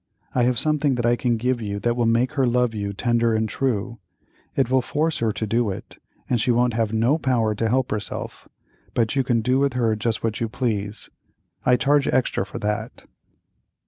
I have something that I can give you that will make her love you tender and true; it will force her to do it and she won't have no power to help herself, but you can do with her just what you please; I charge extra for that."